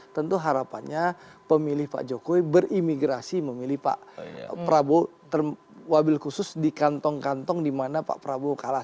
tentu harapannya pemilih pak jokowi berimigrasi memilih pak prabowo wabil khusus di kantong kantong di mana pak prabowo kalah